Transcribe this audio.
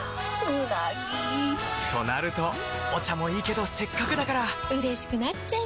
うなぎ！となるとお茶もいいけどせっかくだからうれしくなっちゃいますか！